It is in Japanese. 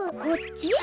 こっち？